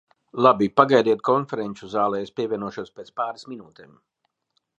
Labi, pagaidiet konferenču zālē, es pievienošos pēc pāris minūtēm.